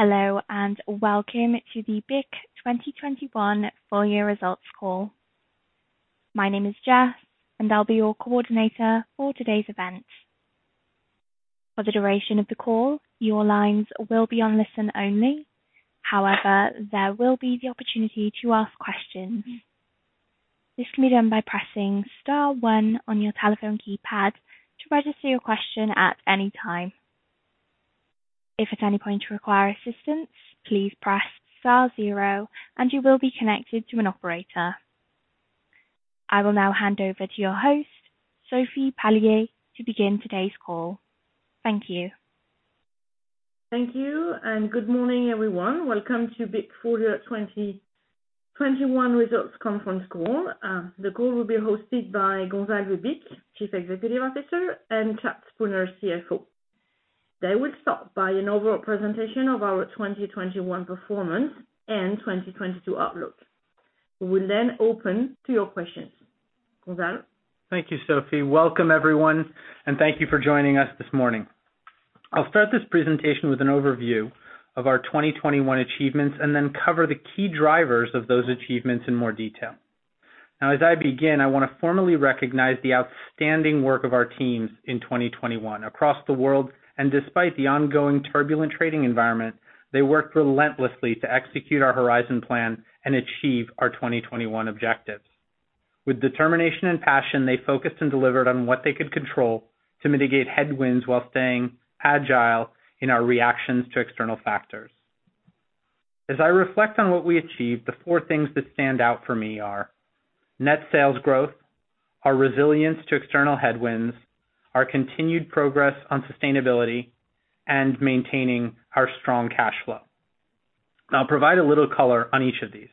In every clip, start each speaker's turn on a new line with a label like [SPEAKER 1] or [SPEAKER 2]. [SPEAKER 1] Hello, and welcome to the BIC 2021 full year results call. My name is Jess, and I'll be your coordinator for today's event. For the duration of the call, your lines will be on listen only. However, there will be the opportunity to ask questions. This can be done by pressing star one on your telephone keypad to register your question at any time. If at any point you require assistance, please press star zero and you will be connected to an operator. I will now hand over to your host, Sophie Palliez-Capian, to begin today's call. Thank you.
[SPEAKER 2] Thank you and good morning, everyone. Welcome to BIC full year 2021 results conference call. The call will be hosted by Gonzalve Bich, Chief Executive Officer, and Chad Spooner, CFO. They will start by an overall presentation of our 2021 performance and 2022 outlook. We will then open to your questions. Gonzalve?
[SPEAKER 3] Thank you, Sophie. Welcome, everyone, and thank you for joining us this morning. I'll start this presentation with an overview of our 2021 achievements and then cover the key drivers of those achievements in more detail. Now, as I begin, I wanna formally recognize the outstanding work of our teams in 2021. Across the world, and despite the ongoing turbulent trading environment, they worked relentlessly to execute our Horizon plan and achieve our 2021 objectives. With determination and passion, they focused and delivered on what they could control to mitigate headwinds while staying agile in our reactions to external factors. As I reflect on what we achieved, the four things that stand out for me are net sales growth, our resilience to external headwinds, our continued progress on sustainability, and maintaining our strong cash flow. I'll provide a little color on each of these.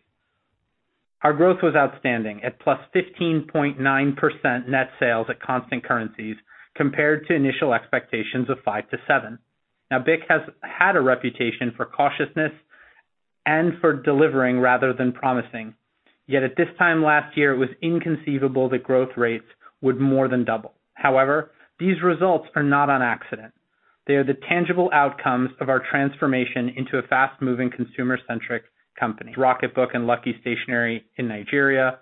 [SPEAKER 3] Our growth was outstanding, at +15.9% net sales at constant currencies compared to initial expectations of 5%-7%. BIC has had a reputation for cautiousness and for delivering rather than promising. Yet at this time last year, it was inconceivable that growth rates would more than double. These results are not an accident. They are the tangible outcomes of our transformation into a fast-moving consumer-centric company, Rocketbook and Lucky Stationery in Nigeria,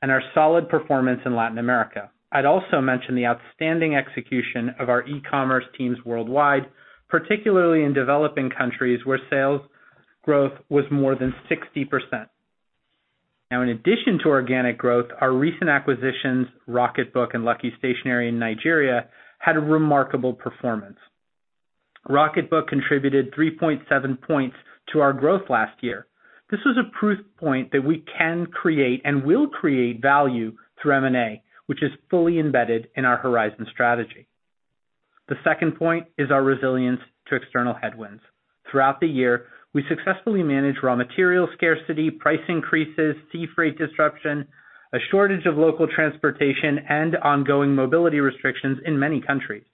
[SPEAKER 3] and our solid performance in Latin America. I'd also mention the outstanding execution of our e-commerce teams worldwide, particularly in developing countries where sales growth was more than 60%. In addition to organic growth, our recent acquisitions, Rocketbook and Lucky Stationery in Nigeria, had a remarkable performance. Rocketbook contributed 3.7 points to our growth last year. This was a proof point that we can create and will create value through M&A, which is fully embedded in our Horizon strategy. The second point is our resilience to external headwinds. Throughout the year, we successfully managed raw material scarcity, price increases, sea freight disruption, a shortage of local transportation, and ongoing mobility restrictions in many countries.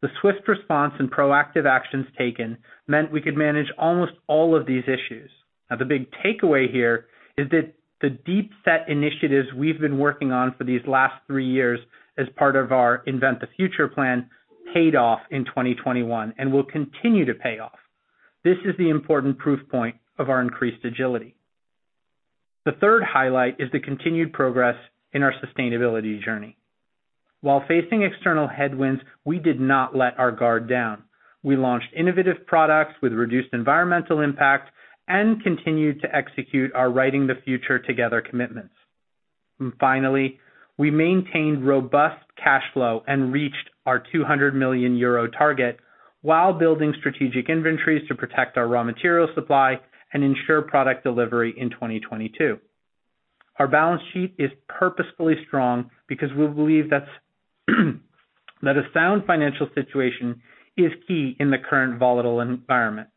[SPEAKER 3] The swift response and proactive actions taken meant we could manage almost all of these issues. Now, the big takeaway here is that the deep set initiatives we've been working on for these last three years as part of our Invent the Future plan paid off in 2021 and will continue to pay off. This is the important proof point of our increased agility. The third highlight is the continued progress in our sustainability journey. While facing external headwinds, we did not let our guard down. We launched innovative products with reduced environmental impact and continued to execute our Writing the Future, Together commitments. Finally, we maintained robust cash flow and reached our 200 million euro target while building strategic inventories to protect our raw material supply and ensure product delivery in 2022. Our balance sheet is purposefully strong because we believe that a sound financial situation is key in the current volatile environment.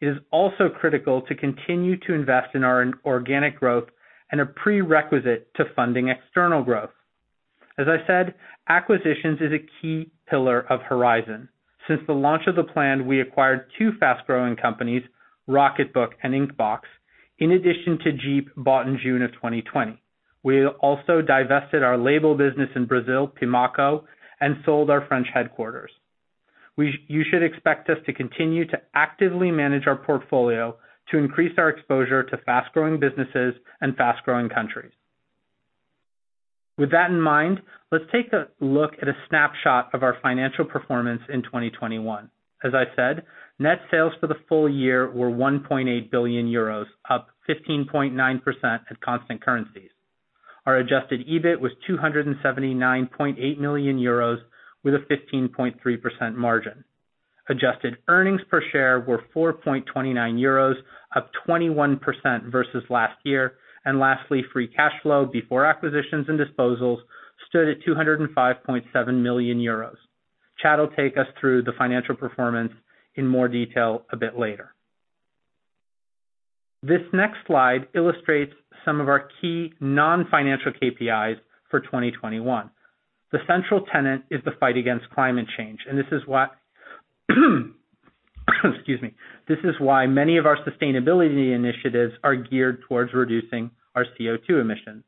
[SPEAKER 3] It is also critical to continue to invest in our organic growth and a prerequisite to funding external growth. As I said, acquisitions is a key pillar of Horizon. Since the launch of the plan, we acquired two fast-growing companies, Rocketbook and Inkbox, in addition to Djeep, bought in June of 2020. We also divested our label business in Brazil, Pimaco, and sold our French headquarters. You should expect us to continue to actively manage our portfolio to increase our exposure to fast-growing businesses and fast-growing countries. With that in mind, let's take a look at a snapshot of our financial performance in 2021. As I said, net sales for the full year were 1.8 billion euros, up 15.9% at constant currencies. Our adjusted EBIT was 279.8 million euros with a 15.3% margin. Adjusted earnings per share were 4.29 euros, up 21% versus last year. Lastly, free cash flow before acquisitions and disposals stood at 205.7 million euros. Chad will take us through the financial performance in more detail a bit later. This next slide illustrates some of our key non-financial KPIs for 2021. The central tenet is the fight against climate change, and this is why many of our sustainability initiatives are geared towards reducing our CO2 emissions.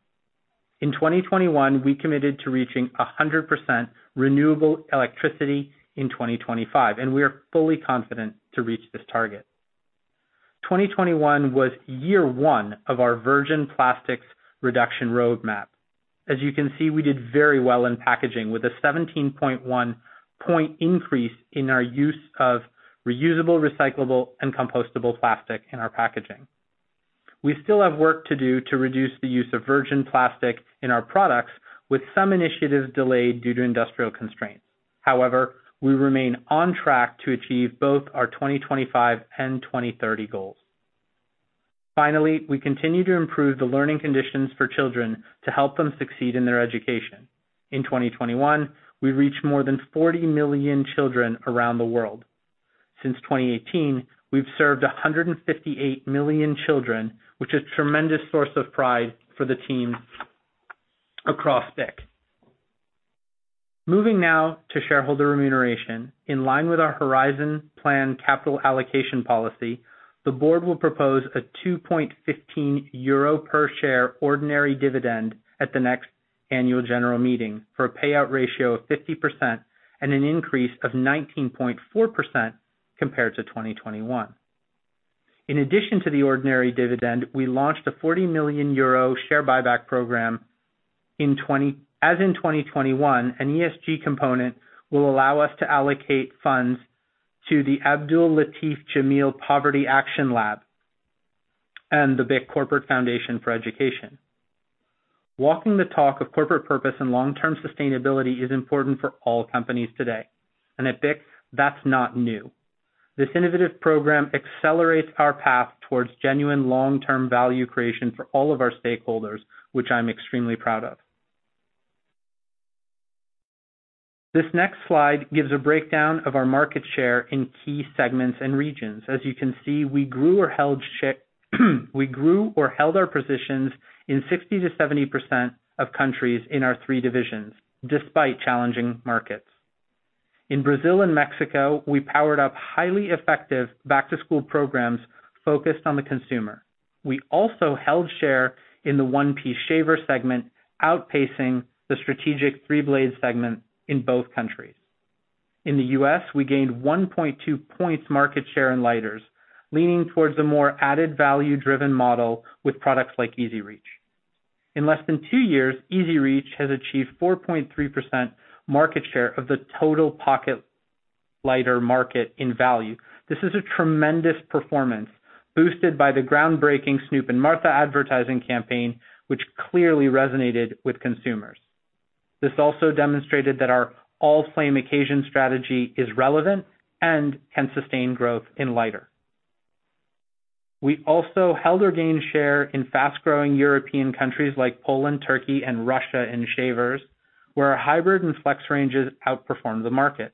[SPEAKER 3] In 2021, we committed to reaching 100% renewable electricity in 2025, and we are fully confident to reach this target. 2021 was year 1 of our virgin plastics reduction roadmap. As you can see, we did very well in packaging with a 17.1-point increase in our use of reusable, recyclable, and compostable plastic in our packaging. We still have work to do to reduce the use of virgin plastic in our products, with some initiatives delayed due to industrial constraints. However, we remain on track to achieve both our 2025 and 2030 goals. Finally, we continue to improve the learning conditions for children to help them succeed in their education. In 2021, we reached more than 40 million children around the world. Since 2018, we've served 158 million children, which is tremendous source of pride for the team across BIC. Moving now to shareholder remuneration. In line with our Horizon plan capital allocation policy, the board will propose a 2.15 euro per share ordinary dividend at the next annual general meeting for a payout ratio of 50% and an increase of 19.4% compared to 2021. In addition to the ordinary dividend, we launched a 40 million euro share buyback program in 2021. An ESG component will allow us to allocate funds to the Abdul Latif Jameel Poverty Action Lab and the BIC Corporate Foundation for Education. Walking the talk of corporate purpose and long-term sustainability is important for all companies today, and at BIC, that's not new. This innovative program accelerates our path towards genuine long-term value creation for all of our stakeholders, which I'm extremely proud of. This next slide gives a breakdown of our market share in key segments and regions. As you can see, we grew or held our positions in 60%-70% of countries in our three divisions, despite challenging markets. In Brazil and Mexico, we powered up highly effective back-to-school programs focused on the consumer. We also held share in the one-piece shaver segment, outpacing the strategic three-blade segment in both countries. In the U.S., we gained 1.2 points market share in lighters, leaning towards a more added value-driven model with products like EZ Reach. In less than two years, EZ Reach has achieved 4.3% market share of the total pocket lighter market in value. This is a tremendous performance boosted by the groundbreaking Snoop and Martha advertising campaign, which clearly resonated with consumers. This also demonstrated that our all-flame occasion strategy is relevant and can sustain growth in lighters. We also held or gained share in fast-growing European countries like Poland, Turkey, and Russia in shavers, where our hybrid and flex ranges outperformed the market,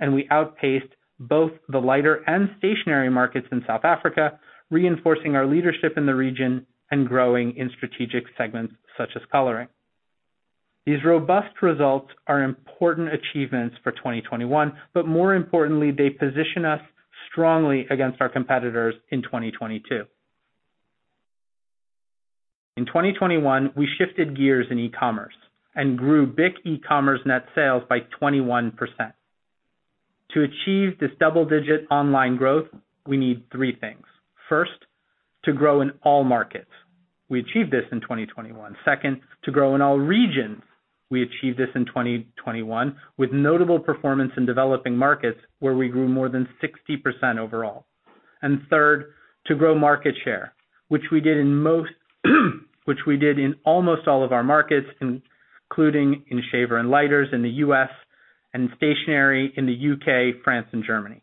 [SPEAKER 3] and we outpaced both the lighter and stationery markets in South Africa, reinforcing our leadership in the region and growing in strategic segments such as coloring. These robust results are important achievements for 2021, but more importantly, they position us strongly against our competitors in 2022. In 2021, we shifted gears in e-commerce and grew BIC e-commerce net sales by 21%. To achieve this double-digit online growth, we need three things. First, to grow in all markets. We achieved this in 2021. Second, to grow in all regions. We achieved this in 2021 with notable performance in developing markets where we grew more than 60% overall. Third, to grow market share, which we did in almost all of our markets, including in shaver and lighters in the U.S. and stationery in the U.K., France, and Germany.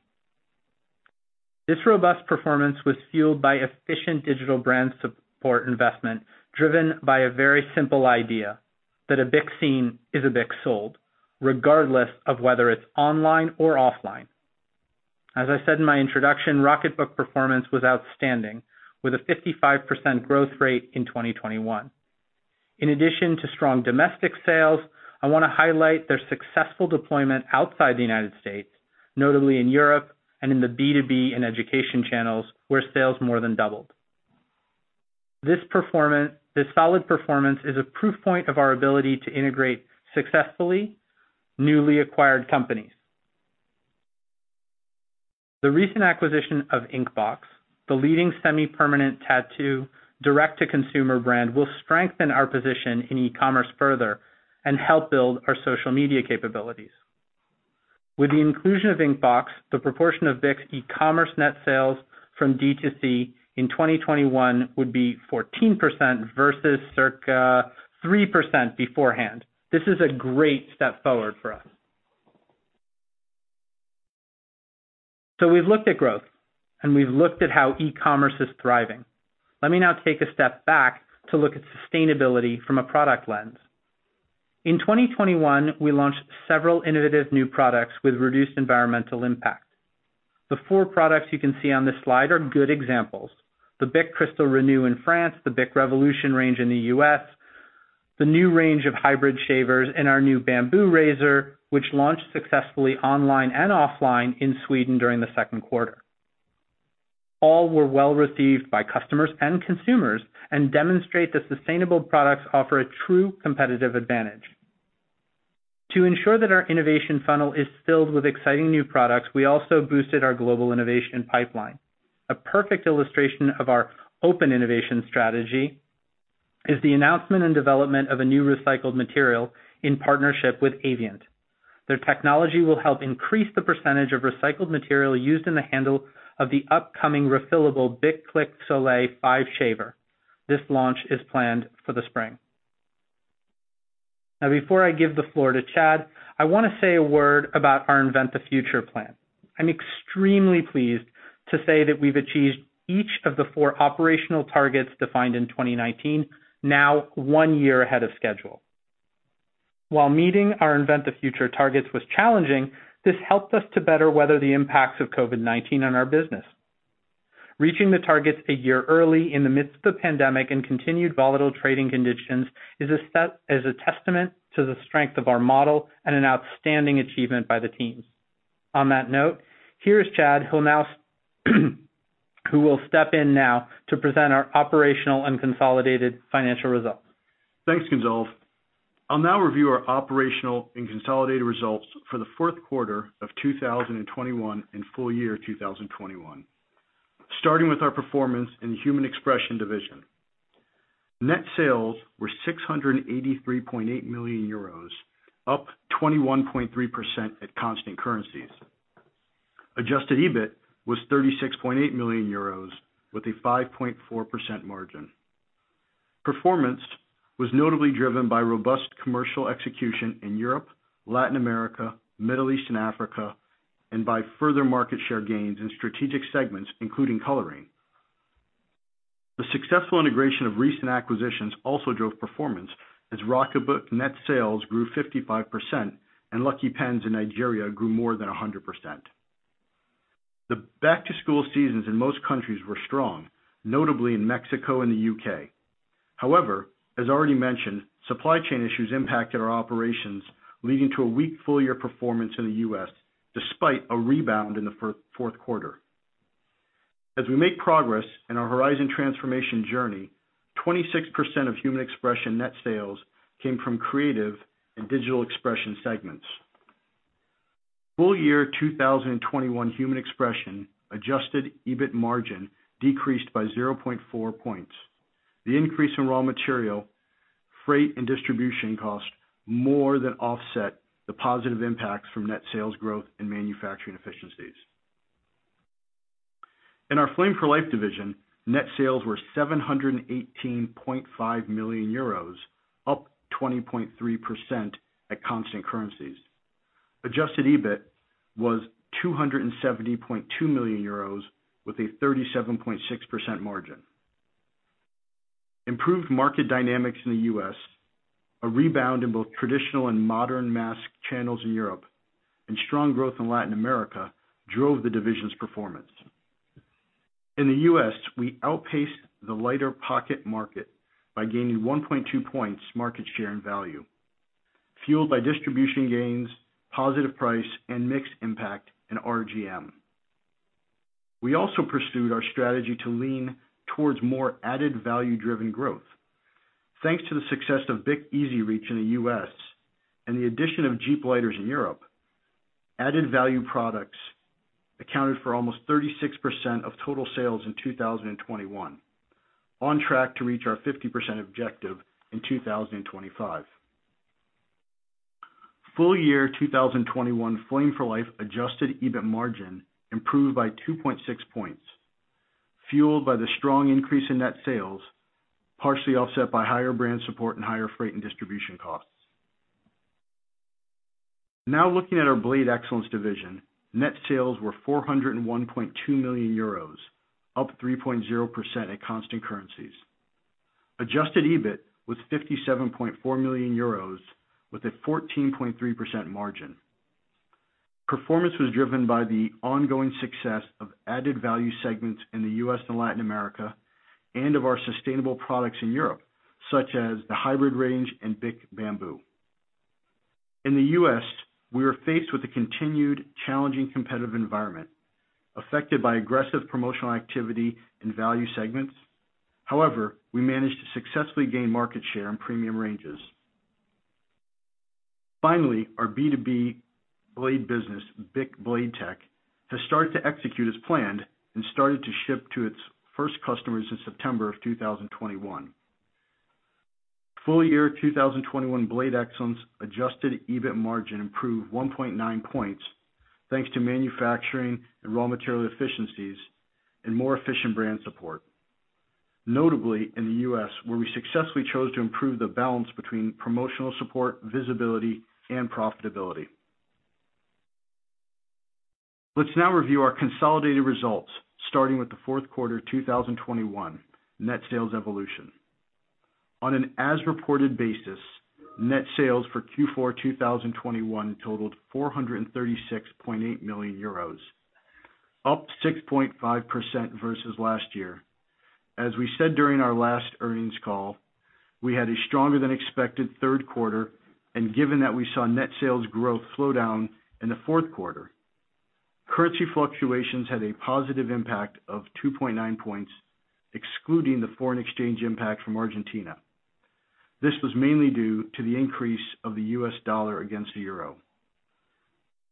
[SPEAKER 3] This robust performance was fueled by efficient digital brand support investment, driven by a very simple idea that a BIC seen is a BIC sold, regardless of whether it's online or offline. As I said in my introduction, Rocketbook performance was outstanding with a 55% growth rate in 2021. In addition to strong domestic sales, I wanna highlight their successful deployment outside the United States, notably in Europe and in the B2B and education channels where sales more than doubled. This solid performance is a proof point of our ability to integrate successfully newly acquired companies. The recent acquisition of Inkbox, the leading semi-permanent tattoo direct-to-consumer brand, will strengthen our position in e-commerce further and help build our social media capabilities. With the inclusion of Inkbox, the proportion of BIC's e-commerce net sales from D2C in 2021 would be 14% versus circa 3% beforehand. This is a great step forward for us. We've looked at growth, and we've looked at how e-commerce is thriving. Let me now take a step back to look at sustainability from a product lens. In 2021, we launched several innovative new products with reduced environmental impact. The four products you can see on this slide are good examples. The BIC Cristal Re'New in France, the BIC ReVolution range in the U.S., the new range of BIC Hybrid shavers, and our new BIC Bamboo razor, which launched successfully online and offline in Sweden during the second quarter. All were well-received by customers and consumers and demonstrate that sustainable products offer a true competitive advantage. To ensure that our innovation funnel is filled with exciting new products, we also boosted our global innovation pipeline. A perfect illustration of our open innovation strategy is the announcement and development of a new recycled material in partnership with Avient. Their technology will help increase the percentage of recycled material used in the handle of the upcoming refillable BIC Soleil Click 5 shaver. This launch is planned for the spring. Now, before I give the floor to Chad, I wanna say a word about our Invent the Future plan. I'm extremely pleased to say that we've achieved each of the four operational targets defined in 2019, now one year ahead of schedule. While meeting our Invent the Future targets was challenging, this helped us to better weather the impacts of COVID-19 on our business. Reaching the targets a year early in the midst of the pandemic and continued volatile trading conditions is a testament to the strength of our model and an outstanding achievement by the teams. On that note, here's Chad, who will step in now to present our operational and consolidated financial results.
[SPEAKER 4] Thanks, Gonzalve. I'll now review our operational and consolidated results for the fourth quarter of 2021 and full year 2021. Starting with our performance in the Human Expression division. Net sales were 683.8 million euros, up 21.3% at constant currencies. Adjusted EBIT was 36.8 million euros with a 5.4% margin. Performance was notably driven by robust commercial execution in Europe, Latin America, Middle East and Africa, and by further market share gains in strategic segments, including coloring. The successful integration of recent acquisitions also drove performance as Rocketbook net sales grew 55% and Lucky Pens in Nigeria grew more than 100%. The back to school seasons in most countries were strong, notably in Mexico and the U.K. However, as already mentioned, supply chain issues impacted our operations, leading to a weak full year performance in the U.S. despite a rebound in the fourth quarter. As we make progress in our Horizon Transformation journey, 26% of Human Expression net sales came from creative and digital expression segments. Full year 2021 Human Expression adjusted EBIT margin decreased by 0.4 points. The increase in raw material, freight, and distribution cost more than offset the positive impacts from net sales growth and manufacturing efficiencies. In our Flame for Life division, net sales were 718.5 million euros, up 20.3% at constant currencies. Adjusted EBIT was 270.2 million euros with a 37.6% margin. Improved market dynamics in the U.S., a rebound in both traditional and modern mass channels in Europe, and strong growth in Latin America drove the division's performance. In the U.S., we outpaced the lighter pocket market by gaining 1.2 points market share and value, fueled by distribution gains, positive price and mix impact in RGM. We also pursued our strategy to lean towards more added value-driven growth. Thanks to the success of BIC EZ Reach in the U.S. and the addition of Djeep lighters in Europe, added value products accounted for almost 36% of total sales in 2021. On track to reach our 50% objective in 2025. Full year 2021 Flame for Life adjusted EBIT margin improved by 2.6 points, fueled by the strong increase in net sales, partially offset by higher brand support and higher freight and distribution costs. Now looking at our Blade Excellence division. Net sales were 401.2 million euros, up 3.0% at constant currencies. Adjusted EBIT was 57.4 million euros with a 14.3% margin. Performance was driven by the ongoing success of added value segments in the U.S. and Latin America and of our sustainable products in Europe, such as the Hybrid range and BIC Bamboo. In the U.S., we were faced with a continued challenging competitive environment affected by aggressive promotional activity in value segments. However, we managed to successfully gain market share in premium ranges. Finally, our B2B blade business, BIC Blade Tech, has started to execute as planned and started to ship to its first customers in September of 2021. Full year 2021, Blade Excellence adjusted EBIT margin improved 1.9 points, thanks to manufacturing and raw material efficiencies and more efficient brand support. Notably in the U.S., where we successfully chose to improve the balance between promotional support, visibility, and profitability. Let's now review our consolidated results, starting with the fourth quarter 2021 net sales evolution. On an as-reported basis, net sales for Q4 2021 totaled 436.8 million euros, up 6.5% versus last year. As we said during our last earnings call, we had a stronger than expected third quarter, and given that we saw net sales growth slow down in the fourth quarter, currency fluctuations had a positive impact of 2.9 points, excluding the foreign exchange impact from Argentina. This was mainly due to the increase of the US dollar against the euro.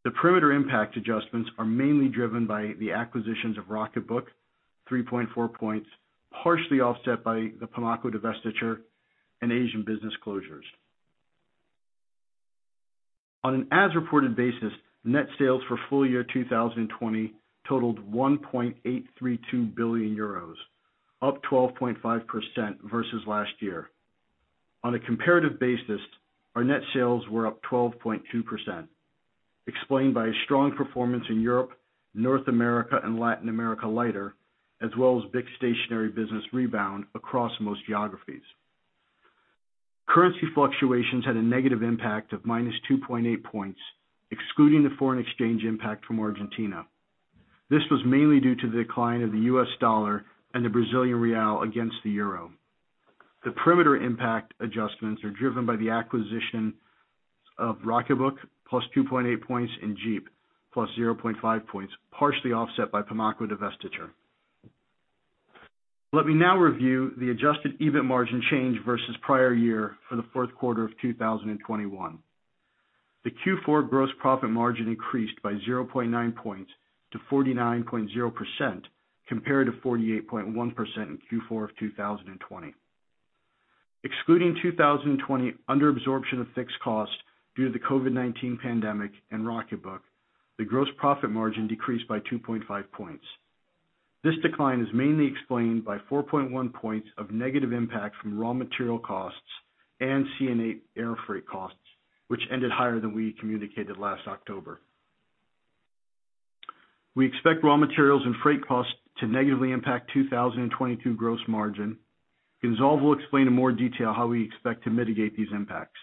[SPEAKER 4] The perimeter impact adjustments are mainly driven by the acquisitions of Rocketbook, 3.4 points, partially offset by the Pimaco divestiture and Asian business closures. On an as-reported basis, net sales for full year 2021 totaled 1.832 billion euros, up 12.5% versus last year. On a comparative basis, our net sales were up 12.2%, explained by a strong performance in Europe, North America, and Latin America, lighter, as well as BIC stationery business rebound across most geographies. Currency fluctuations had a negative impact of -2.8 points, excluding the foreign exchange impact from Argentina. This was mainly due to the decline of the U.S. dollar and the Brazilian real against the euro. The perimeter impact adjustments are driven by the acquisition of Rocketbook, +2.8 points in Djeep, +0.5 points, partially offset by Pimaco divestiture. Let me now review the adjusted EBIT margin change versus prior year for the fourth quarter of 2021. The Q4 gross profit margin increased by 0.9 points to 49.0% compared to 48.1% in Q4 of 2020. Excluding 2020 under absorption of fixed cost due to the COVID-19 pandemic and Rocketbook, the gross profit margin decreased by 2.5 points. This decline is mainly explained by 4.1 points of negative impact from raw material costs and C&A air freight costs, which ended higher than we communicated last October. We expect raw materials and freight costs to negatively impact 2022 gross margin. Gonzalve will explain in more detail how we expect to mitigate these impacts.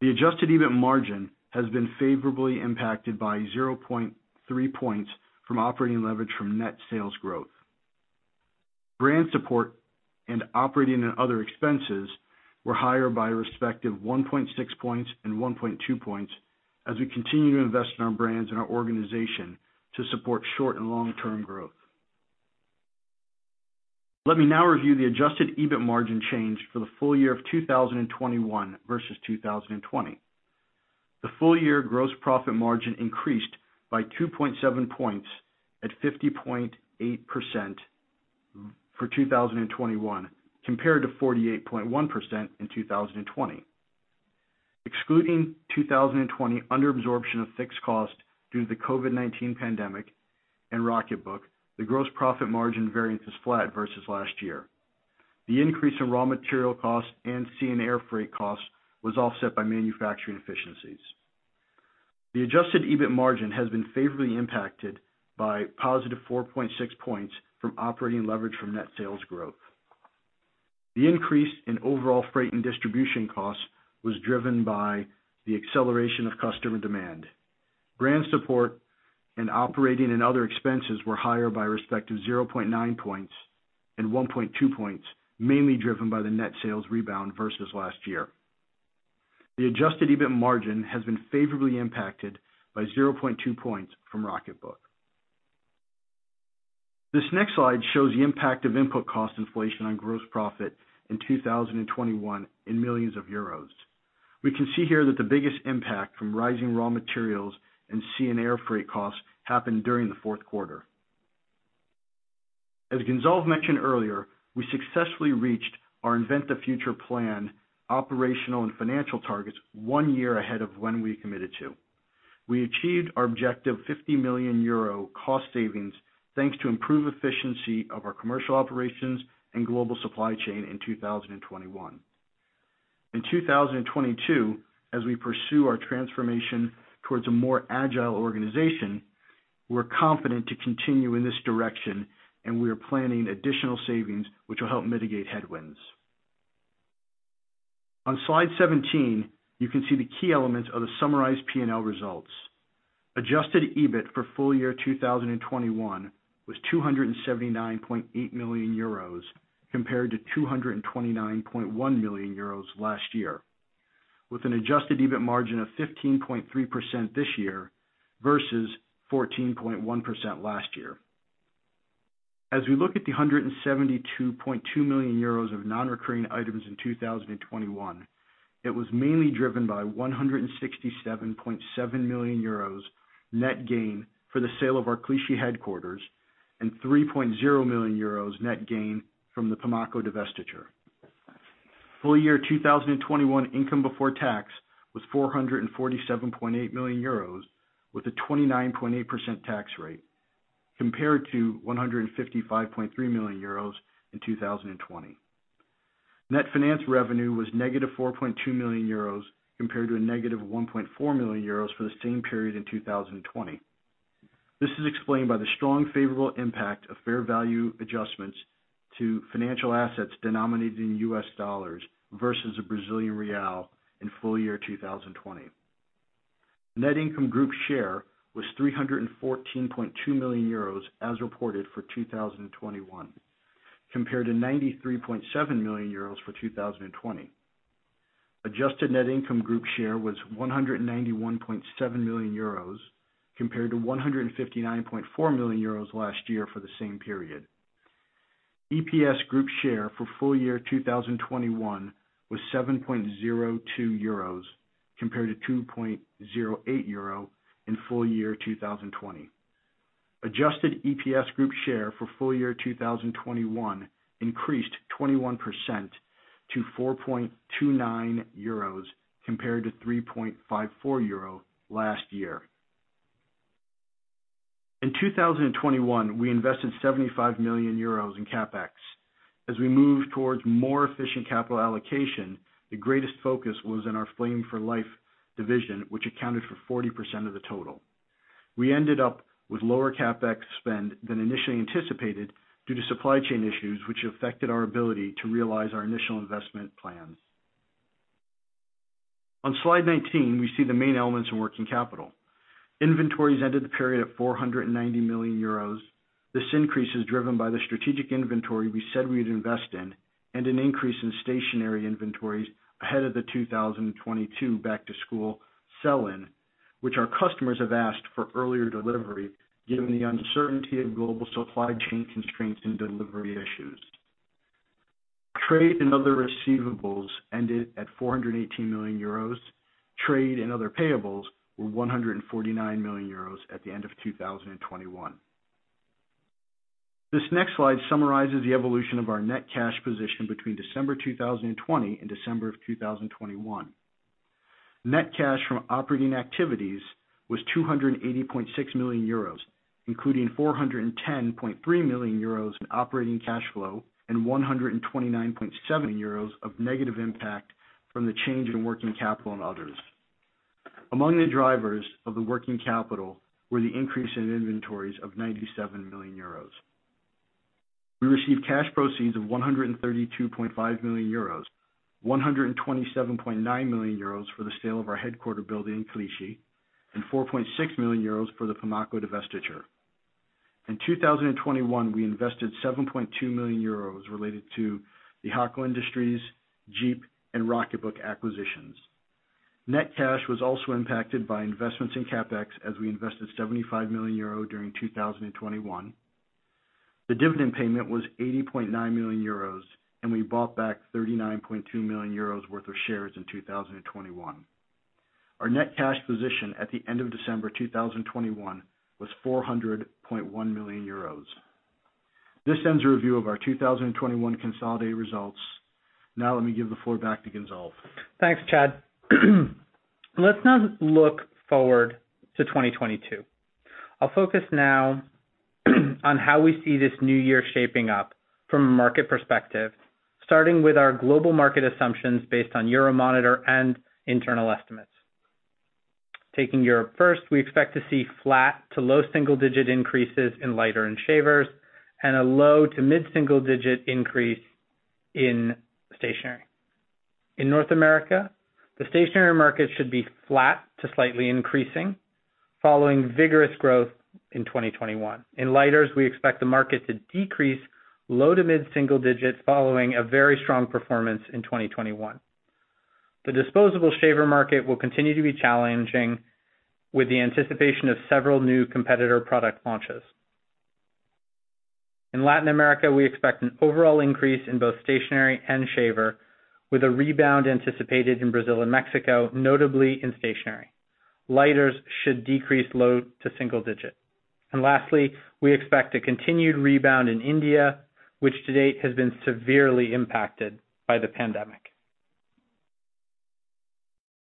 [SPEAKER 4] The adjusted EBIT margin has been favorably impacted by 0.3 points from operating leverage from net sales growth. Brand support and operating and other expenses were higher by a respective 1.6 points and 1.2 points as we continue to invest in our brands and our organization to support short- and long-term growth. Let me now review the adjusted EBIT margin change for the full year of 2021 versus 2020. The full-year gross profit margin increased by 2.7 points at 50.8% for 2021 compared to 48.1% in 2020. Excluding 2020 under absorption of fixed cost due to the COVID-19 pandemic and Rocketbook, the gross profit margin variance is flat versus last year. The increase in raw material costs and sea and air freight costs was offset by manufacturing efficiencies. The adjusted EBIT margin has been favorably impacted by positive 4.6 points from operating leverage from net sales growth. The increase in overall freight and distribution costs was driven by the acceleration of customer demand. Brand support and operating and other expenses were higher by respective 0.9 points and 1.2 points, mainly driven by the net sales rebound versus last year. The adjusted EBIT margin has been favorably impacted by 0.2 points from Rocketbook. This next slide shows the impact of input cost inflation on gross profit in 2021 in millions of euros. We can see here that the biggest impact from rising raw materials and sea and air freight costs happened during the fourth quarter. As Gonzalve mentioned earlier, we successfully reached our Invent the Future plan, operational and financial targets one year ahead of when we committed to. We achieved our objective 50 million euro cost savings thanks to improved efficiency of our commercial operations and global supply chain in 2021. In 2022, as we pursue our transformation towards a more agile organization, we're confident to continue in this direction and we are planning additional savings which will help mitigate headwinds. On slide 17, you can see the key elements of the summarized P&L results. Adjusted EBIT for full year 2021 was 279.8 million euros compared to 229.1 million euros last year, with an adjusted EBIT margin of 15.3% this year versus 14.1% last year. As we look at the 172.2 million euros of non-recurring items in 2021, it was mainly driven by 167.7 million euros net gain for the sale of our Clichy headquarters and 3.0 million euros net gain from the Pimaco divestiture. Full year 2021 income before tax was 447.8 million euros with a 29.8% tax rate compared to 155.3 million euros in 2020. Net finance revenue was negative 4.2 million euros compared to a negative 1.4 million euros for the same period in 2020. This is explained by the strong favorable impact of fair value adjustments to financial assets denominated in U.S. dollars versus a Brazilian real in full year 2020. Net income group share was 314.2 million euros as reported for 2021, compared to 93.7 million euros for 2020. Adjusted net income group share was 191.7 million euros compared to 159.4 million euros last year for the same period. EPS group share for full year 2021 was 7.02 euros compared to 2.08 euro in full year 2020. Adjusted EPS group share for full year 2021 increased 21% to 4.29 euros compared to 3.54 euro last year. In 2021, we invested 75 million euros in CapEx. As we move towards more efficient capital allocation, the greatest focus was in our Flame for Life division, which accounted for 40% of the total. We ended up with lower CapEx spend than initially anticipated due to supply chain issues, which affected our ability to realize our initial investment plans. On slide 19, we see the main elements in working capital. Inventories ended the period at 490 million euros. This increase is driven by the strategic inventory we said we'd invest in, and an increase in stationery inventories ahead of the 2022 back-to-school sell-in, which our customers have asked for earlier delivery given the uncertainty of global supply chain constraints and delivery issues. Trade and other receivables ended at 418 million euros. Trade and other payables were 149 million euros at the end of 2021. This next slide summarizes the evolution of our net cash position between December 2020 and December 2021. Net cash from operating activities was 280.6 million euros, including 410.3 million euros in operating cash flow and 129.7 million euros of negative impact from the change in working capital and others. Among the drivers of the working capital were the increase in inventories of 97 million euros. We received cash proceeds of 132.5 million euros, 127.9 million euros for the sale of our headquarters building in Clichy, and 4.6 million euros for the Pimaco divestiture. In 2021, we invested 7.2 million euros related to the Haco Industries, Djeep, and Rocketbook acquisitions. Net cash was also impacted by investments in CapEx as we invested 75 million euro during 2021. The dividend payment was 80.9 million euros, and we bought back 39.2 million euros worth of shares in 2021. Our net cash position at the end of December 2021 was 400.1 million euros. This ends the review of our 2021 consolidated results. Now let me give the floor back to Gonzalve.
[SPEAKER 3] Thanks, Chad. Let's now look forward to 2022. I'll focus now on how we see this new year shaping up from a market perspective, starting with our global market assumptions based on Euromonitor and internal estimates. Taking Europe first, we expect to see flat to low single-digit % increases in lighters and shavers, and a low- to mid-single-digit % increase in stationery. In North America, the stationery market should be flat to slightly increasing following vigorous growth in 2021. In lighters, we expect the market to decrease low- to mid-single digits % following a very strong performance in 2021. The disposable shaver market will continue to be challenging with the anticipation of several new competitor product launches. In Latin America, we expect an overall increase in both stationery and shavers, with a rebound anticipated in Brazil and Mexico, notably in stationery. Lighters should decrease low- to single-digit %. Lastly, we expect a continued rebound in India, which to date has been severely impacted by the pandemic.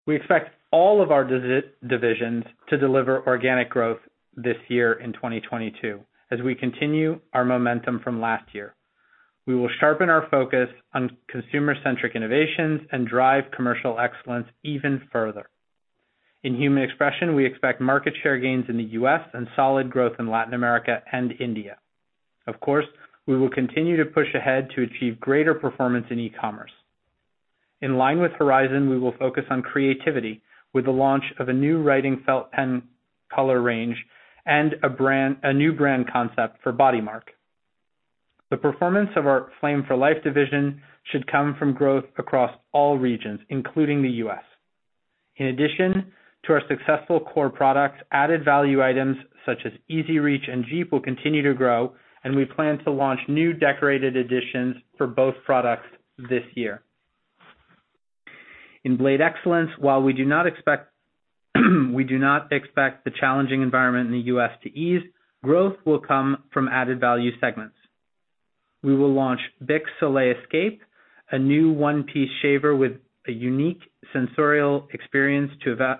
[SPEAKER 3] We expect all of our divisions to deliver organic growth this year in 2022, as we continue our momentum from last year. We will sharpen our focus on consumer-centric innovations and drive commercial excellence even further. In Human Expression, we expect market share gains in the U.S. and solid growth in Latin America and India. Of course, we will continue to push ahead to achieve greater performance in e-commerce. In line with Horizon, we will focus on creativity with the launch of a new writing felt pen color range and a new brand concept for BodyMark. The performance of our Flame for Life division should come from growth across all regions, including the U.S. In addition to our successful core products, added value items such as EZ Reach and Djeep will continue to grow, and we plan to launch new decorated editions for both products this year. In Blade Excellence, while we do not expect the challenging environment in the U.S. to ease, growth will come from added value segments. We will launch BIC Soleil Escape, a new one-piece shaver with a unique sensorial experience to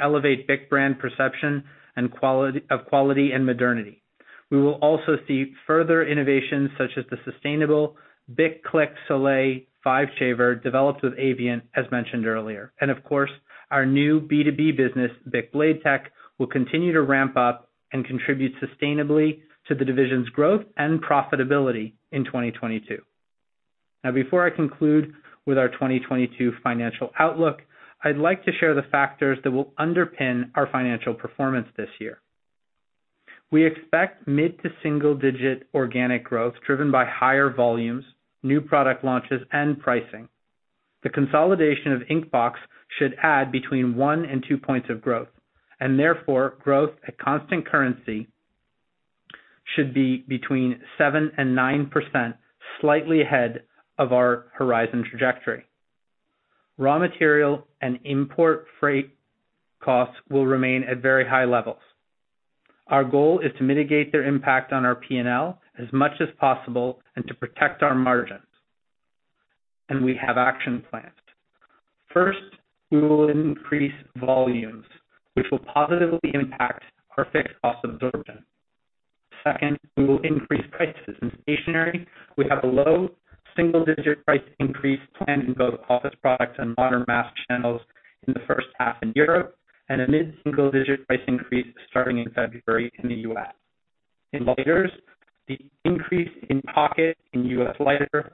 [SPEAKER 3] elevate BIC brand perception and quality and modernity. We will also see further innovations such as the sustainable BIC Soleil Click 5 shaver developed with Avient, as mentioned earlier. Of course, our new B2B business, BIC Blade Tech, will continue to ramp up and contribute sustainably to the division's growth and profitability in 2022. Now, before I conclude with our 2022 financial outlook, I'd like to share the factors that will underpin our financial performance this year. We expect mid- to single-digit organic growth, driven by higher volumes, new product launches, and pricing. The consolidation of Inkbox should add between one and two points of growth, and therefore growth at constant currency should be between 7% and 9%, slightly ahead of our Horizon trajectory. Raw material and import freight costs will remain at very high levels. Our goal is to mitigate their impact on our P&L as much as possible and to protect our margins. We have action plans. First, we will increase volumes, which will positively impact our fixed cost absorption. Second, we will increase prices. In Stationery, we have a low single-digit price increase planned in both office products and modern mass channels in the first half in Europe, and a mid-single-digit price increase starting in February in the U.S. In Lighters, the increase in pocket lighters in the U.S.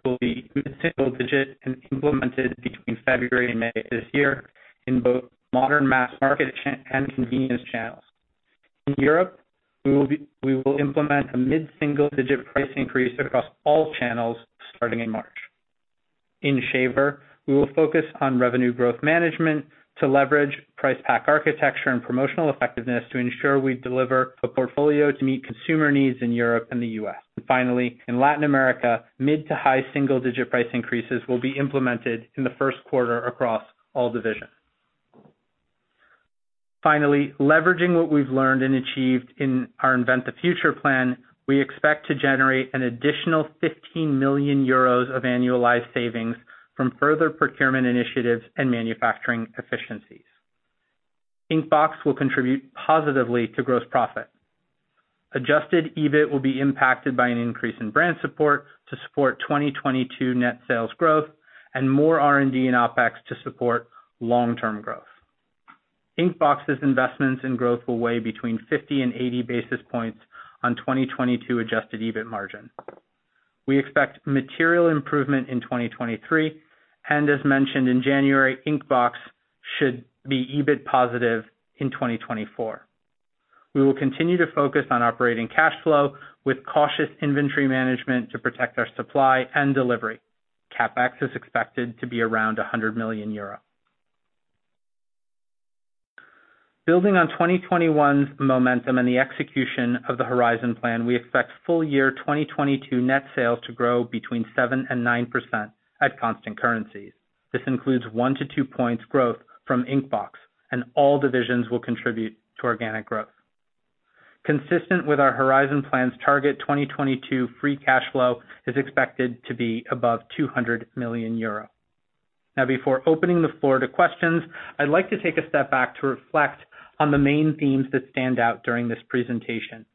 [SPEAKER 3] will be mid-single-digit and implemented between February and May this year in both modern mass market and convenience channels. In Europe, we will implement a mid-single-digit price increase across all channels starting in March. In Shaver, we will focus on revenue growth management to leverage price pack architecture and promotional effectiveness to ensure we deliver a portfolio to meet consumer needs in Europe and the U.S. Finally, in Latin America, mid- to high-single-digit price increases will be implemented in the first quarter across all divisions. Finally, leveraging what we've learned and achieved in our Invent the Future plan, we expect to generate an additional 15 million euros of annualized savings from further procurement initiatives and manufacturing efficiencies. Inkbox will contribute positively to gross profit. Adjusted EBIT will be impacted by an increase in brand support to support 2022 net sales growth and more R&D and OpEx to support long-term growth. Inkbox's investments in growth will weigh between 50 and 80 basis points on 2022 adjusted EBIT margin. We expect material improvement in 2023, and as mentioned in January, Inkbox should be EBIT positive in 2024. We will continue to focus on operating cash flow with cautious inventory management to protect our supply and delivery. CapEx is expected to be around 100 million euro. Building on 2021's momentum and the execution of the Horizon plan, we expect full year 2022 net sales to grow between 7% and 9% at constant currencies. This includes 1-2 points growth from Inkbox, and all divisions will contribute to organic growth. Consistent with our Horizon plan's target, 2022 free cash flow is expected to be above 200 million euro. Now, before opening the floor to questions, I'd like to take a step back to reflect on the main themes that stand out during this presentation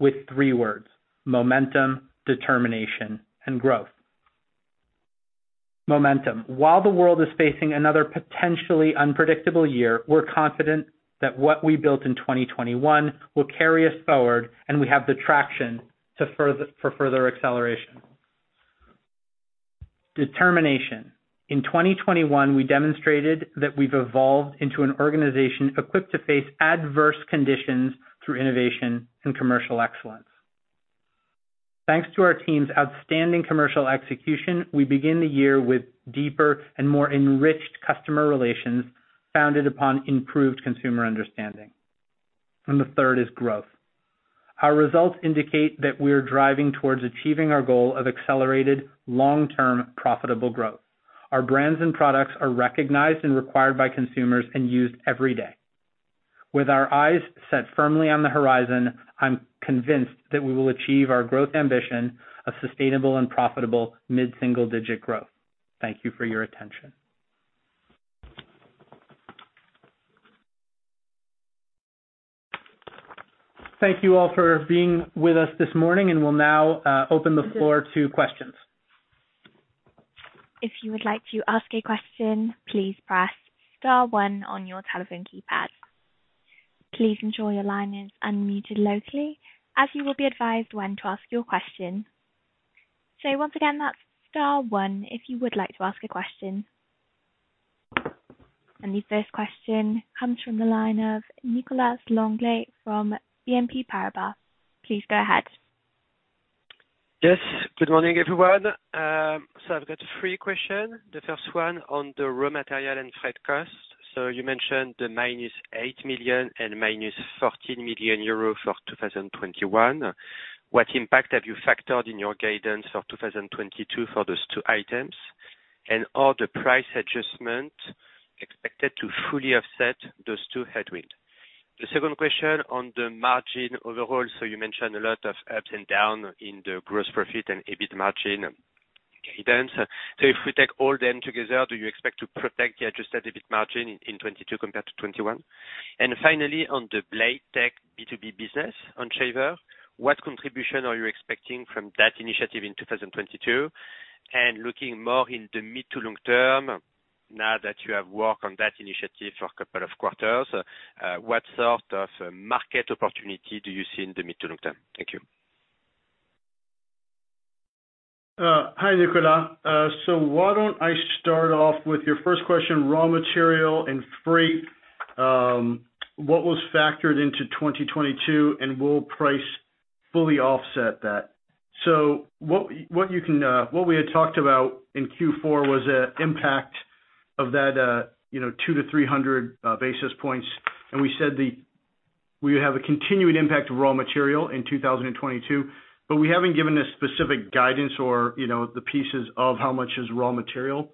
[SPEAKER 3] with three words: momentum, determination, and growth. Momentum. While the world is facing another potentially unpredictable year, we're confident that what we built in 2021 will carry us forward, and we have the traction for further acceleration. Determination. In 2021, we demonstrated that we've evolved into an organization equipped to face adverse conditions through innovation and commercial excellence. Thanks to our team's outstanding commercial execution, we begin the year with deeper and more enriched customer relations founded upon improved consumer understanding. The third is growth. Our results indicate that we're driving towards achieving our goal of accelerated long-term profitable growth. Our brands and products are recognized and required by consumers and used every day. With our eyes set firmly on the Horizon, I'm convinced that we will achieve our growth ambition of sustainable and profitable mid-single-digit growth. Thank you for your attention. Thank you all for being with us this morning, and we'll now open the floor to questions.
[SPEAKER 1] If you would like to ask a question, please press star one on your telephone keypad. Please ensure your line is unmuted locally as you will be advised when to ask your question. Once again, that's star one if you would like to ask a question. The first question comes from the line of Nicolas Langlet from BNP Paribas. Please go ahead.
[SPEAKER 5] Yes, good morning, everyone. I've got three questions. The first one on the raw material and freight costs. You mentioned the minus 8 million and minus 14 million euro for 2021. What impact have you factored in your guidance of 2022 for those two items? And are the price adjustments expected to fully offset those two headwinds? The second question on the margin overall, you mentioned a lot of ups and downs in the gross profit and EBIT margin guidance. If we take all them together, do you expect to protect the adjusted EBIT margin in 2022 compared to 2021? And finally, on the Blade Tech B2B business on shaver, what contribution are you expecting from that initiative in 2022? Looking more in the mid- to long-term. Now that you have worked on that initiative for a couple of quarters, what sort of market opportunity do you see in the mid- to long-term? Thank you.
[SPEAKER 4] Hi, Nicolas. Why don't I start off with your first question, raw material and freight, what was factored into 2022 and will price fully offset that? What we had talked about in Q4 was the impact of that, you know, 200-300 basis points. We would have a continuing impact of raw material in 2022, but we haven't given a specific guidance or, you know, the pieces of how much is raw material.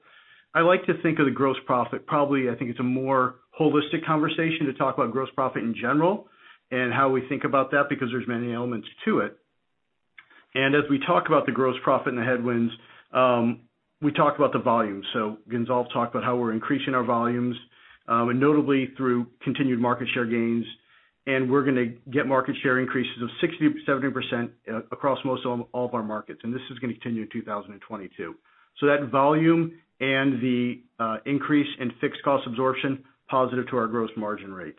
[SPEAKER 4] I like to think of the gross profit. Probably, I think it's a more holistic conversation to talk about gross profit in general and how we think about that, because there's many elements to it. As we talk about the gross profit and the headwinds, we talk about the volume. Gonzalve talked about how we're increasing our volumes and notably through continued market share gains. We're gonna get market share increases of 60%-70% across all of our markets. This is gonna continue in 2022. That volume and the increase in fixed cost absorption positive to our gross margin rates.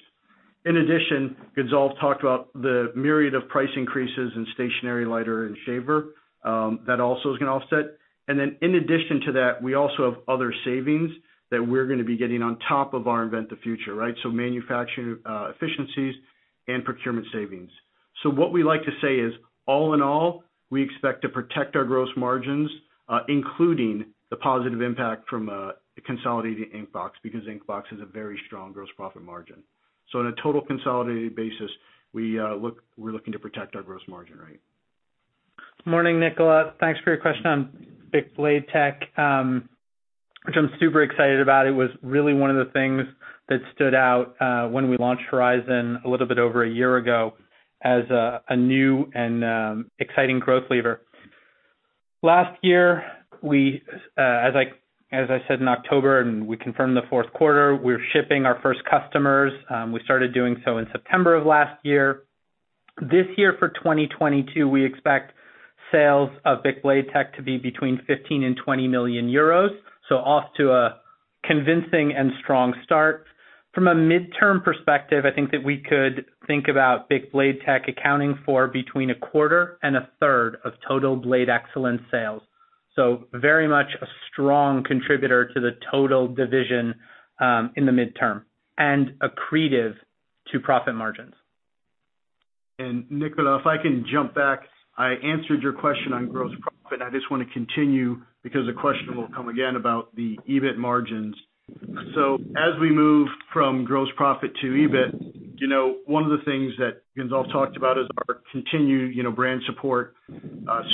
[SPEAKER 4] In addition, Gonzalve talked about the myriad of price increases in stationery, lighter and shaver that also is gonna offset. Then in addition to that, we also have other savings that we're gonna be getting on top of our Invent the Future, right? Manufacturing efficiencies and procurement savings. What we like to say is, all in all, we expect to protect our gross margins, including the positive impact from consolidating Inkbox, because Inkbox is a very strong gross profit margin. On a total consolidated basis, we're looking to protect our gross margin rate.
[SPEAKER 3] Morning, Nicolas. Thanks for your question on BIC Blade Tech, which I'm super excited about. It was really one of the things that stood out when we launched Horizon a little bit over a year ago as a new and exciting growth lever. Last year, as I said in October, and we confirmed in the fourth quarter, we're shipping our first customers. We started doing so in September of last year. This year for 2022, we expect sales of BIC Blade Tech to be between 15 million and 20 million euros, so off to a convincing and strong start. From a midterm perspective, I think that we could think about BIC Blade Tech accounting for between a quarter and a third of total Blade Excellence sales. Very much a strong contributor to the total division, in the midterm and accretive to profit margins.
[SPEAKER 4] Nicolas, if I can jump back, I answered your question on gross profit. I just wanna continue because the question will come again about the EBIT margins. As we move from gross profit to EBIT, you know, one of the things that Gonzalve talked about is our continued, you know, brand support,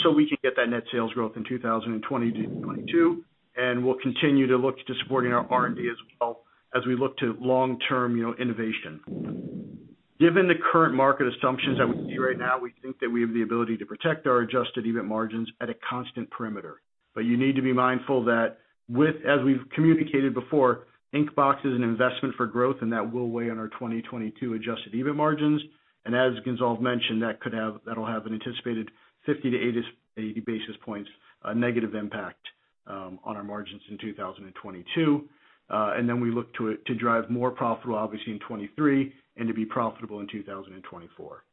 [SPEAKER 4] so we can get that net sales growth in 2022, and we'll continue to look to supporting our R&D as well as we look to long-term, you know, innovation. Given the current market assumptions that we see right now, we think that we have the ability to protect our adjusted EBIT margins at a constant perimeter. But you need to be mindful that with, as we've communicated before, Inkbox is an investment for growth and that will weigh on our 2022 adjusted EBIT margins. As Gonzalve mentioned, that'll have an anticipated 50-80 basis points negative impact on our margins in 2022. We look to it to drive more profitable obviously in 2023 and to be profitable in 2024.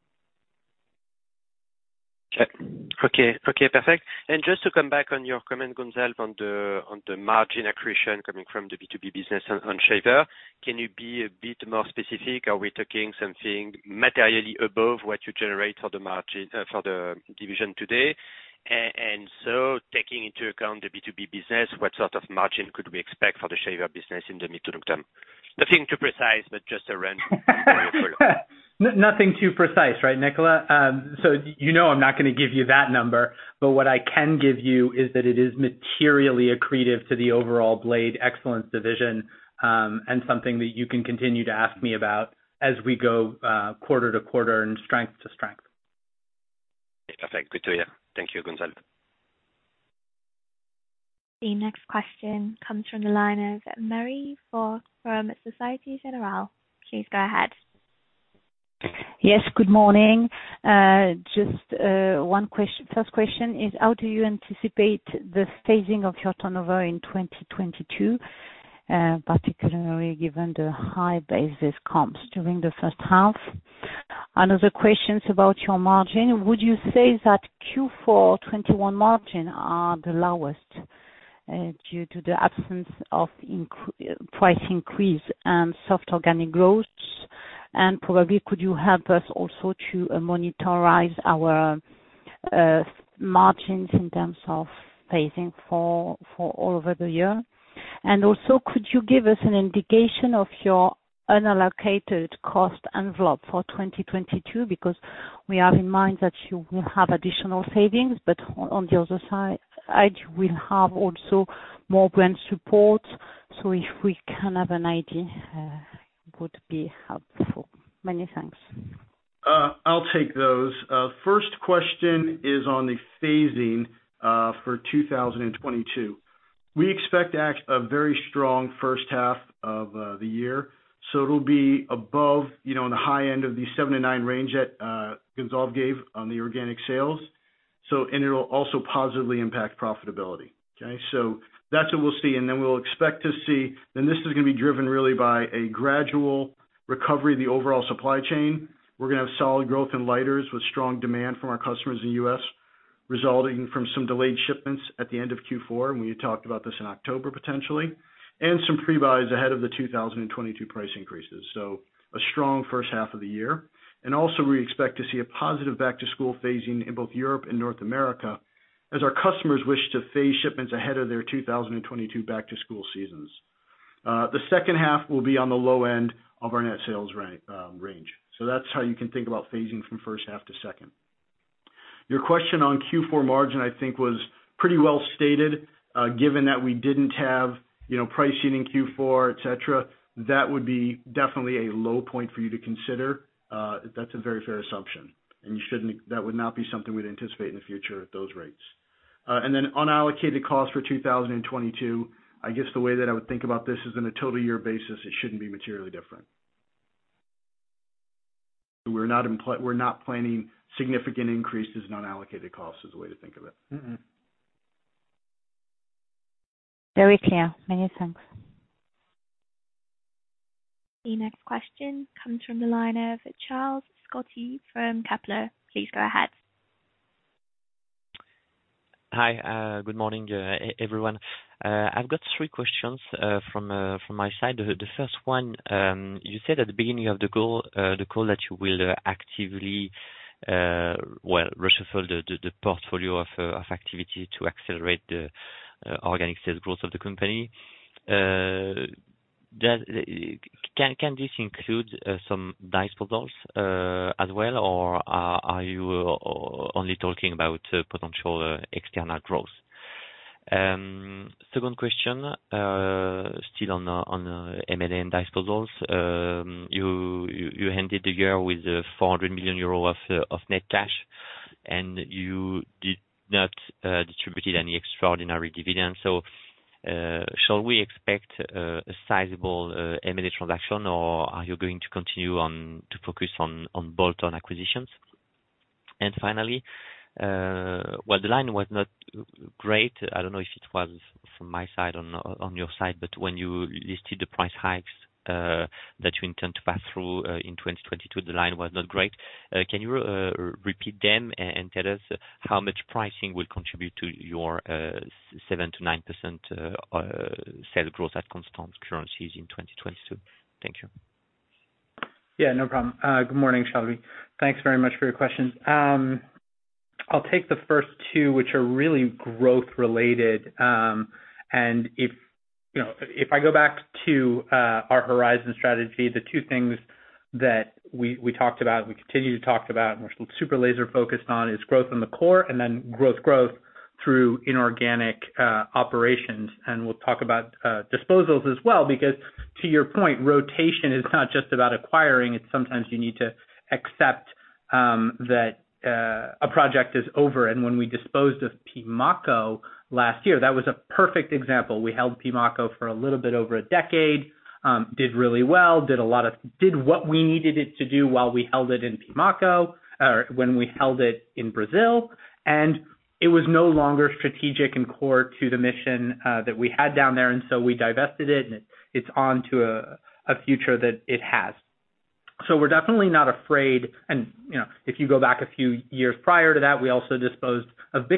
[SPEAKER 5] Okay. Okay, perfect. Just to come back on your comment, Gonzalve, on the margin accretion coming from the B2B business on shaver. Can you be a bit more specific? Are we talking something materially above what you generate for the margin for the division today? Taking into account the B2B business, what sort of margin could we expect for the shaver business in the mid- to long-term? Nothing too precise, but just a range would be helpful.
[SPEAKER 3] Nothing too precise, right, Nicolas? You know I'm not gonna give you that number, but what I can give you is that it is materially accretive to the overall Blade Excellence division, and something that you can continue to ask me about as we go, quarter to quarter and strength to strength.
[SPEAKER 5] Okay, perfect. Good to hear. Thank you, Gonzalve.
[SPEAKER 1] The next question comes from the line of Marie-Line Fort from Société Générale. Please go ahead.
[SPEAKER 6] Yes, good morning. Just one first question is, how do you anticipate the phasing of your turnover in 2022, particularly given the high basis comps during the first half? Another question is about your margin. Would you say that Q4 2021 margin are the lowest, due to the absence of price increase and soft organic growth? And probably could you help us also to monitor our margins in terms of phasing for all over the year? And also, could you give us an indication of your unallocated cost envelope for 2022? Because we have in mind that you will have additional savings, but on the other side, you will have also more brand support. So if we can have an idea, would be helpful. Many thanks.
[SPEAKER 4] I'll take those. First question is on the phasing for 2022. We expect a very strong first half of the year, so it'll be above, you know, on the high end of the 7%-9% range that Gonzalve gave on the organic sales.
[SPEAKER 3] It'll also positively impact profitability. Okay? That's what we'll see. We'll expect to see this is gonna be driven really by a gradual recovery of the overall supply chain. We're gonna have solid growth in lighters with strong demand from our customers in U.S., resulting from some delayed shipments at the end of Q4, and we had talked about this in October, potentially, and some pre-buys ahead of the 2022 price increases. A strong first half of the year. We expect to see a positive back-to-school phasing in both Europe and North America as our customers wish to phase shipments ahead of their 2022 back-to-school seasons. The second half will be on the low end of our net sales range. That's how you can think about phasing from first half to second. Your question on Q4 margin, I think, was pretty well stated, given that we didn't have price increases in Q4, et cetera. That would be definitely a low point for you to consider. That's a very fair assumption, that would not be something we'd anticipate in the future at those rates. Unallocated cost for 2022, I guess the way that I would think about this is on a total year basis, it shouldn't be materially different. We're not planning significant increases in unallocated costs, is a way to think of it.
[SPEAKER 6] Very clear. Many thanks.
[SPEAKER 1] The next question comes from the line of Charles-Louis Scotti from Kepler. Please go ahead.
[SPEAKER 7] Hi. Good morning, everyone. I've got three questions from my side. The first one, you said at the beginning of the call that you will actively reshuffle the portfolio of activity to accelerate the organic sales growth of the company. Does this include some disposals as well, or are you only talking about potential external growth? Second question, still on M&A disposals. You ended the year with 400 million euro of net cash, and you did not distributed any extraordinary dividends. Shall we expect a sizable M&A transaction, or are you going to continue to focus on bolt-on acquisitions? Finally, the line was not great. I don't know if it was from my side or on your side, but when you listed the price hikes that you intend to pass through in 2022, the line was not great. Can you repeat them and tell us how much pricing will contribute to your 7%-9% sales growth at constant currencies in 2022? Thank you.
[SPEAKER 3] Yeah, no problem. Good morning, Charlie. Thanks very much for your questions. I'll take the first two, which are really growth related. If you know, if I go back to our Horizon strategy, the two things that we talked about, we continue to talk about, and we're super laser focused on is growth in the core and then growth through inorganic operations. We'll talk about disposals as well, because to your point, rotation is not just about acquiring, it's sometimes you need to accept that a project is over. When we disposed of Pimaco last year, that was a perfect example. We held Pimaco for a little bit over a decade, did really well, did a lot of... did what we needed it to do while we held it in Pimaco, or when we held it in Brazil, and it was no longer strategic and core to the mission that we had down there, and so we divested it and it's on to a future that it has. We're definitely not afraid and, you know, if you go back a few years prior to that, we also disposed of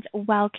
[SPEAKER 3] BIC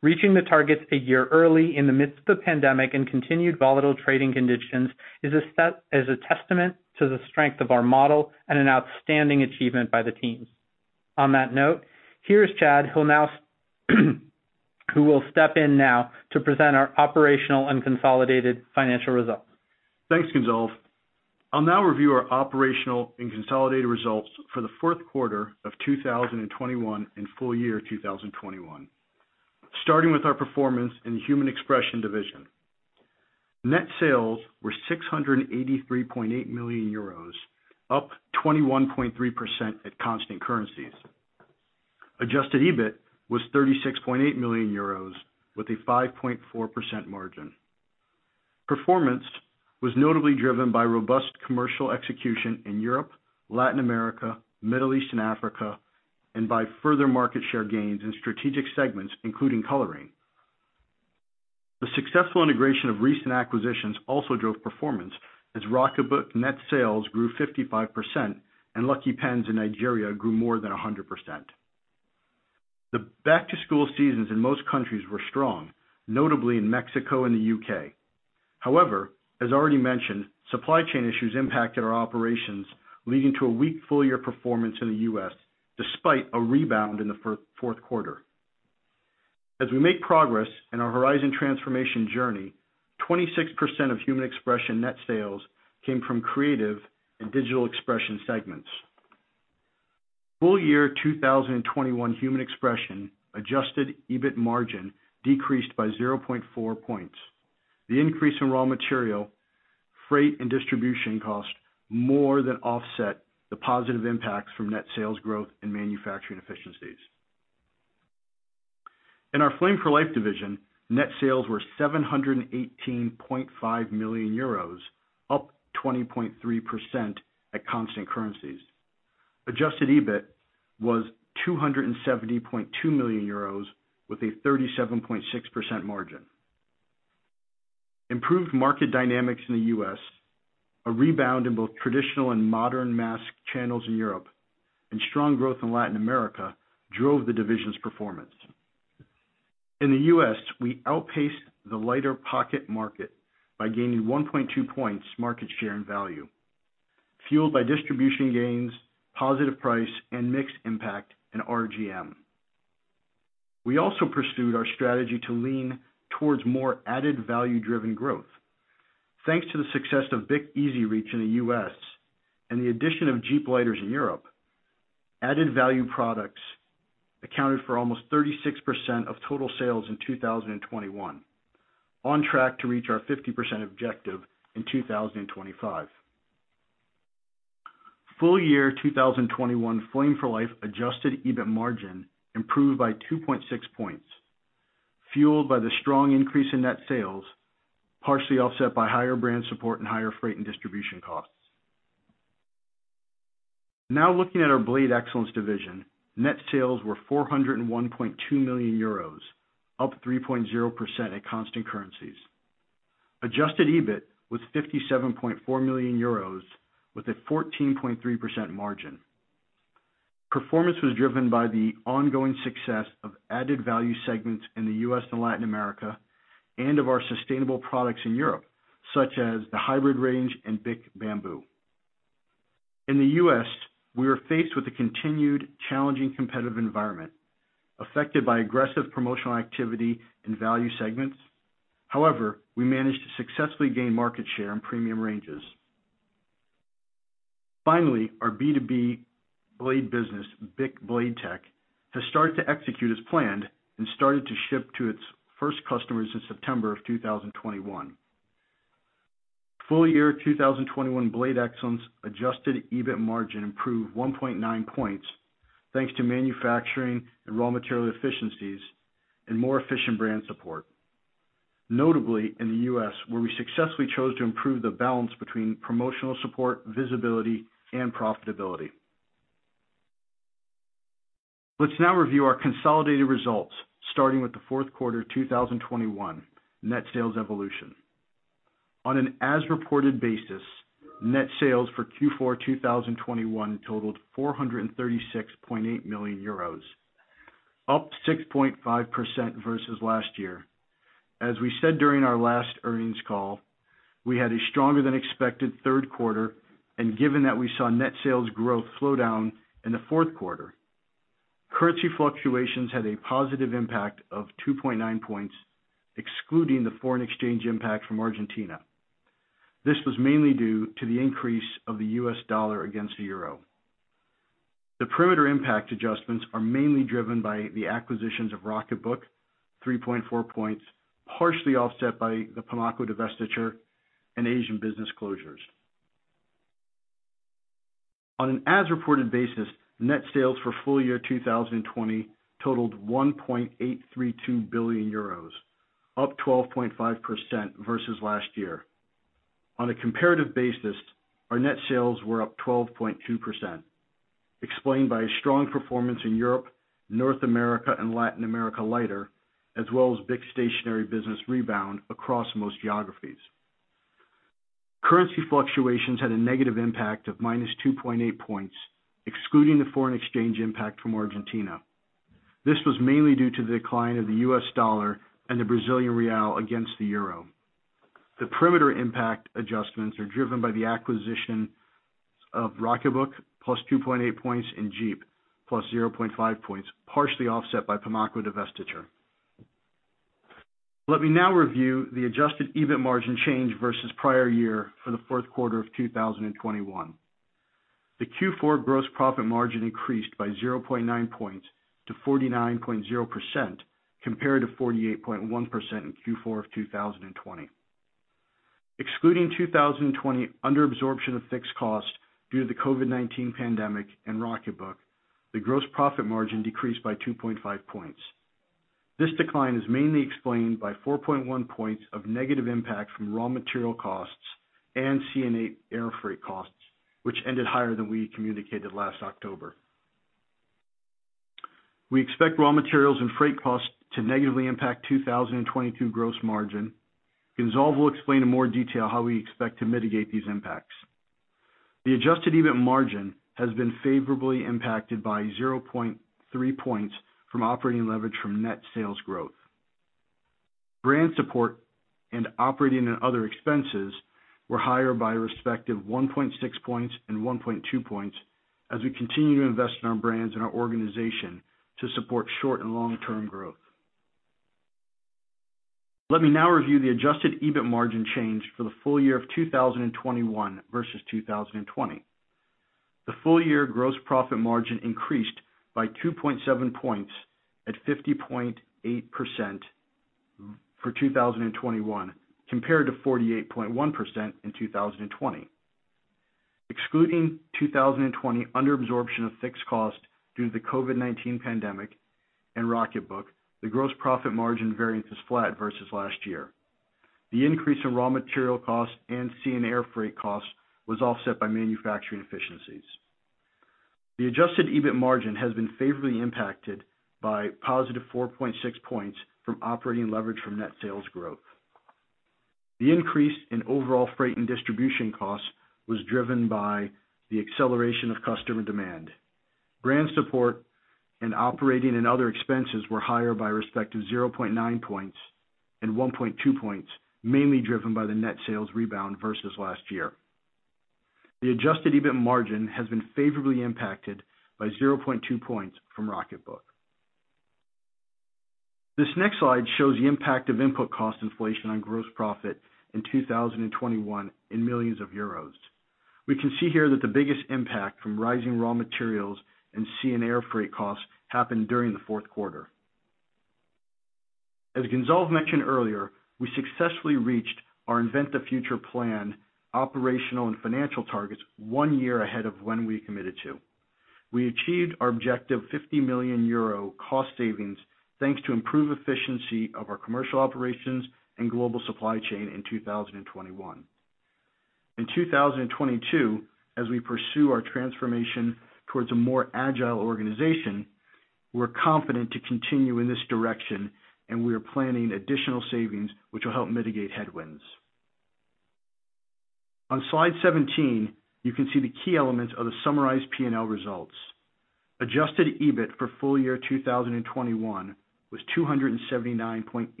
[SPEAKER 3] Sport.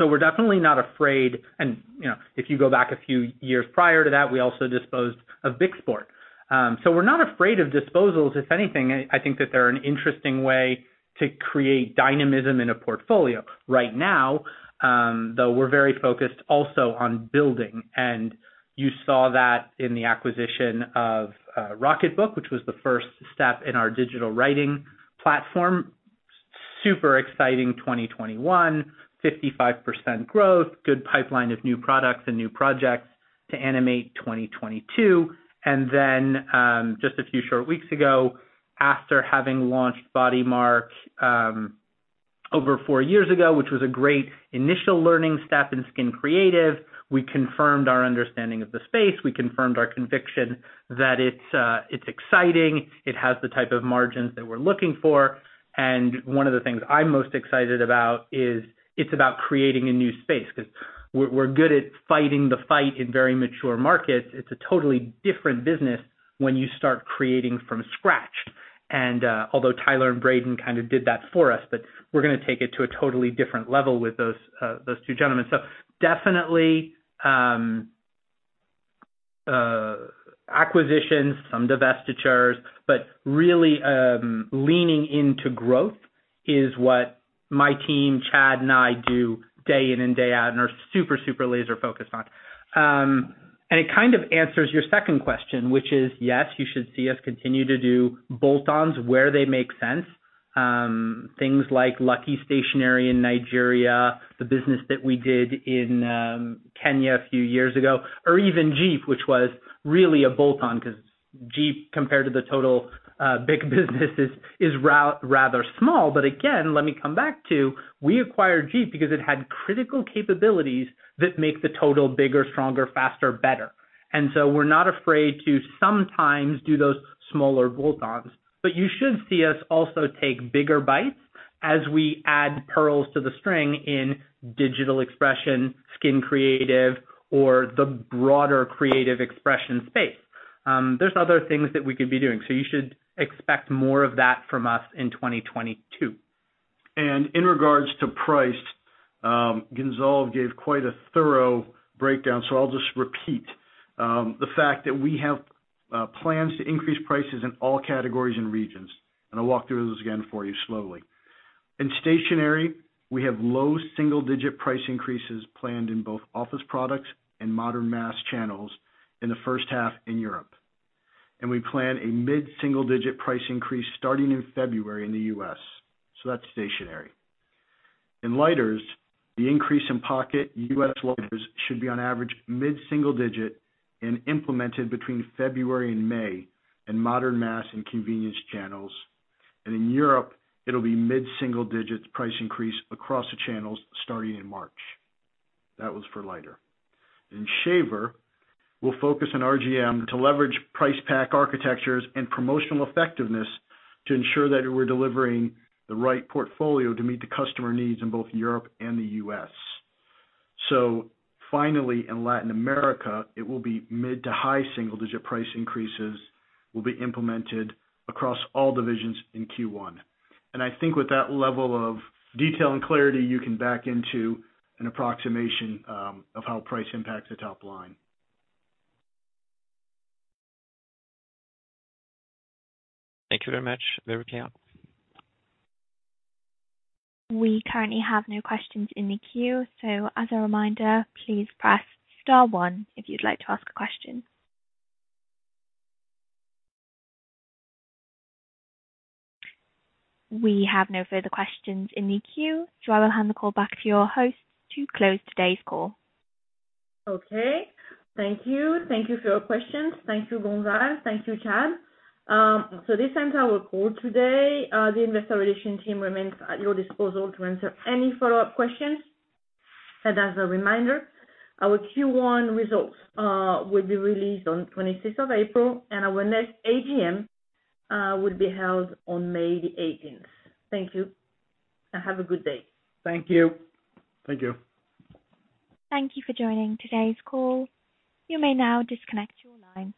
[SPEAKER 3] We're not afraid of disposals. If anything, I think that they're an interesting way to create dynamism in a portfolio. Right now, though, we're very focused also on building, and you saw that in the acquisition of Rocketbook, which was the first step in our digital writing platform. Super exciting 2021, 55% growth, good pipeline of new products and new projects to animate 2022. Just a few short weeks ago, after having launched BodyMark over four years ago, which was a great initial learning step in skin creative, we confirmed our understanding of the space. We confirmed our conviction that it's exciting. It has the type of margins that we're looking for. One of the things I'm most excited about is it's about creating a new space, 'cause we're good at fighting the fight in very mature markets. It's a totally different business when you start creating from scratch. Although Tyler and Braden kind of did that for us, but we're gonna take it to a totally different level with those two gentlemen. Definitely, acquisitions, some divestitures, but really, leaning into growth is what my team, Chad and I do day in and day out, and are super laser focused on. It kind of answers your second question, which is, yes, you should see us continue to do bolt-ons where they make sense. Things like Lucky Stationery in Nigeria, the business that we did in Kenya a few years ago, or even Djeep, which was really a bolt-on 'cause Djeep, compared to the total big businesses is rather small. But again, let me come back to we acquired Djeep because it had critical capabilities that make the total bigger, stronger, faster, better. We're not afraid to sometimes do those smaller bolt-ons. You should see us also take bigger bites. As we add pearls to the string in digital expression, skin creative, or the broader creative expression space, there's other things that we could be doing. You should expect more of that from us in 2022.
[SPEAKER 4] In regards to price, Gonzalve gave quite a thorough breakdown, so I'll just repeat the fact that we have plans to increase prices in all categories and regions, and I'll walk through those again for you slowly. In stationery, we have low single-digit price increases planned in both office products and modern mass channels in the first half in Europe. We plan a mid-single-digit price increase starting in February in the U.S. That's stationery. In lighters, the increase in pocket U.S. lighters should be on average mid-single-digit and implemented between February and May in modern mass and convenience channels. In Europe, it'll be mid-single-digits price increase across the channels starting in March. That was for lighter. In shavers, we'll focus on RGM to leverage price-pack architectures and promotional effectiveness to ensure that we're delivering the right portfolio to meet the customer needs in both Europe and the U.S. Finally, in Latin America, mid- to high-single-digit price increases will be implemented across all divisions in Q1. I think with that level of detail and clarity, you can back into an approximation of how price impacts the top line.
[SPEAKER 7] Thank you very much. Very clear.
[SPEAKER 1] We currently have no questions in the queue, so as a reminder, please press star one if you'd like to ask a question. We have no further questions in the queue, so I will hand the call back to your host to close today's call.
[SPEAKER 2] Okay. Thank you. Thank you for your questions. Thank you, Gonzalve. Thank you, Chad. So this ends our call today. The Investor Relations team remains at your disposal to answer any follow-up questions. As a reminder, our Q1 results will be released on 26th of April, and our next AGM will be held on May 18th. Thank you, and have a good day.
[SPEAKER 4] Thank you.
[SPEAKER 3] Thank you.